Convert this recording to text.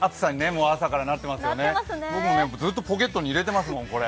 僕もずっとポケットに入れてますもん、これ。